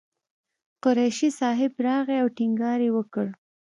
قریشي صاحب راغی او ټینګار یې وکړ.